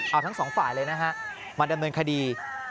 เอาทั้งสองฝ่ายเลยนะฮะมาดำเนินคดี